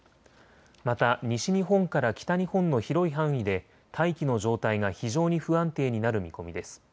また西日本から北日本の広い範囲で大気の状態が非常に不安定になる見込みです。